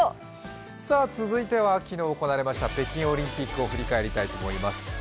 続いては昨日行われました北京オリンピックを振り返りたいと思います。